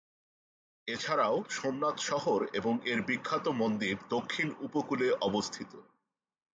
এছাড়াও সোমনাথ শহর এবং এর বিখ্যাত মন্দির দক্ষিণ উপকূলে অবস্থিত।